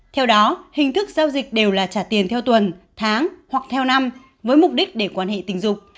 theo đó hình thức giao dịch đều là trả tiền theo tuần tháng hoặc theo năm với mục đích để quan hệ tình dục